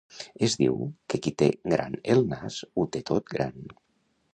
Es diu que qui té gran el nas, ho té tot gran.